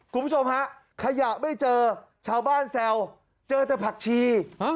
คุณผู้ชมฮะขยะไม่เจอชาวบ้านแซวเจอแต่ผักชี